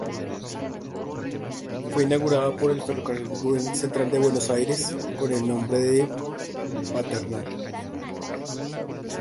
Fue inaugurada por el Ferrocarril Central de Buenos Aires con el nombre de Paternal.